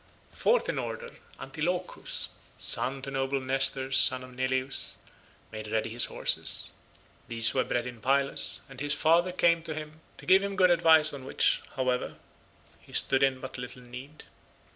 Fourth in order Antilochus, son to noble Nestor son of Neleus, made ready his horses. These were bred in Pylos, and his father came up to him to give him good advice of which, however, he stood in but little need.